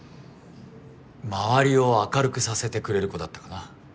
周りを明るくさせてくれる子だったかな。